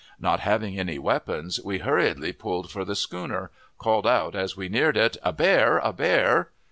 Not having any weapon, we hurriedly pulled for the schooner, calling out, as we neared it, "A bear! a bear!"